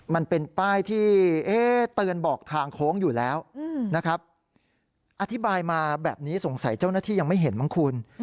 มันเป็นป้ายที่เตือนบอกทางโค้งอยู่แล้วนะครับอธิบายมาแบบนี้สงสัยเจ้าหน้าที่ยังไม่เห็นมั้งคุณ